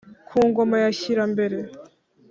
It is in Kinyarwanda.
ku ngoma ya shyirambere